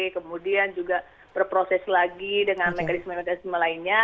kemudian juga berproses lagi dengan mekanisme mekanisme lainnya